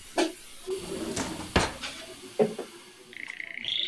Otras agrupaciones se están formando en Diamante, Federación y Colón.